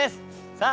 さあ